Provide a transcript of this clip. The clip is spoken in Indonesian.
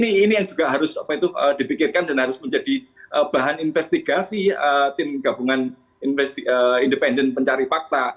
ini yang juga harus dipikirkan dan harus menjadi bahan investigasi tim gabungan independen pencari fakta